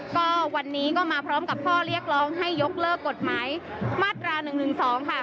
ก็วันนี้ก็มาพร้อมกับข้อเรียกร้องให้ยกเลิกกฎหมายมาตรา๑๑๒ค่ะ